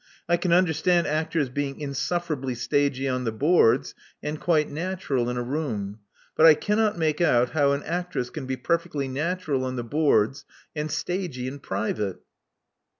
I can understand actors being insufferably stagey on the boards, and quite natural in a room; but I cannot make out how an actress can be perfectly natural on the boards, and stagey in private."